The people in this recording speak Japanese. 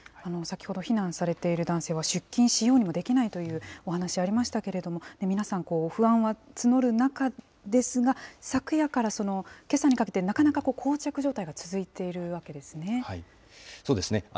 先ほど、避難されている男性は出勤しようにもできないというお話ありましたけれども、皆さん、不安は募る中ですが、昨夜からけさにかけて、なかなかこう着状態が続いているわけですよね。